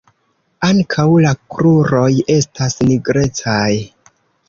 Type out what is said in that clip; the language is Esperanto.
Ankaŭ la kruroj estas nigrecaj.